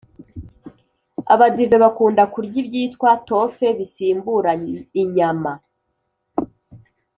abadive bakunda kurya ibyitwa tofe bisimbura inyama